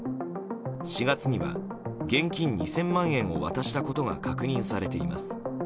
４月には現金２０００万円を渡したことが確認されています。